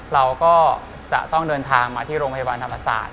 เราก็จะต้องเดินทางมาที่โรงพยาบาลธรรมศาสตร์